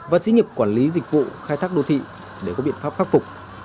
và xí nghiệp quản lý dịch vụ khai thác đô thị để có biện pháp khắc phục